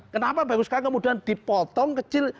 kenapa baru sekarang kemudian dipotong kecil